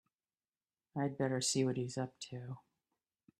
I'd better see what he's up to.